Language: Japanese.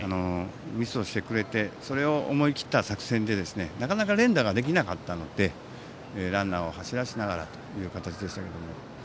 ミスをしてくれてそれを思い切った作戦でなかなか連打ができなかったのでランナーを走らせながらという形でしたけれども。